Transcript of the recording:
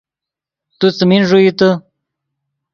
تو څیمین ݱوئیتے